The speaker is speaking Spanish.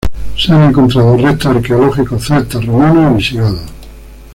Se han encontrado restos arqueológicos celtas, romanos y visigodos.